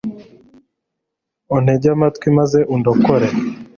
untege amatwi maze undokore